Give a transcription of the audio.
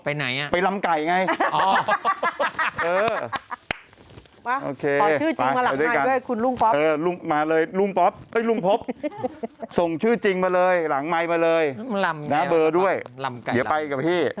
พี่แค่หนุ่มใส่ชุดไก่หนุ่มก็๕อันแล้วพี่